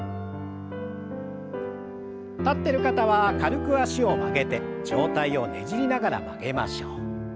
立ってる方は軽く脚を曲げて上体をねじりながら曲げましょう。